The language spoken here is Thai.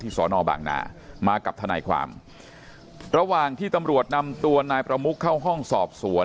สอนอบางนามากับทนายความระหว่างที่ตำรวจนำตัวนายประมุกเข้าห้องสอบสวน